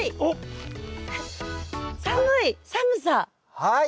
はい！